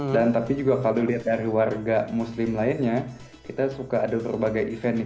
dan tapi juga kalau dilihat dari warga muslim lainnya kita suka ada berbagai event nih